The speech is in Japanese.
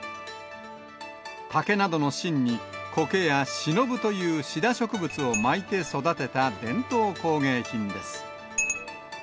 竹などの芯にコケやしのぶというシダ植物を巻いて育てた伝統工芸品です。